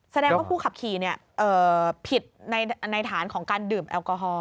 แสดงว่าผู้ขับขี่ผิดในฐานของการดื่มแอลกอฮอล